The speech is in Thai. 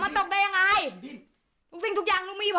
ไม่ได้ถูกมันตกมือ